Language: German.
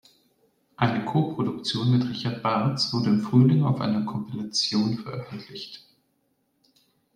Eine Coproduktion mit Richard Bartz wurde im Frühling auf einer Compilation veröffentlicht.